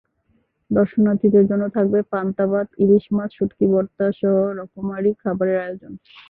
দর্শনার্থীদের জন্য থাকবে পান্তা ভাত, ইলিশ মাছ, শুঁটকি ভর্তাসহ রকমারি খাবারের আয়োজন।